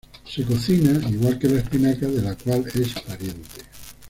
Se cocina igual que la espinaca, de la cual es pariente.